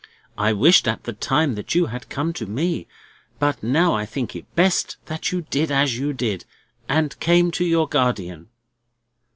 I wished at the time that you had come to me; but now I think it best that you did as you did, and came to your guardian."